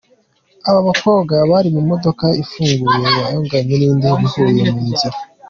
Aba bakobwa bari mu modoka ifunguye yagonganye n’indi bihuriye mu nzira.